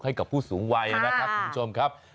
ให้กับผู้สูงวัยนะครับคุณผู้ชมครับ